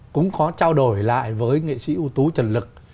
cũng có trao đổi lại với nghệ sĩ ưu tú trần lực